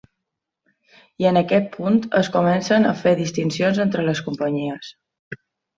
I en aquest punt es comencen a fer distincions entre les companyies.